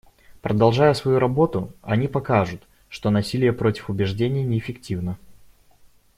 Продолжая свою работу, они покажут, что насилие против убеждений неэффективно.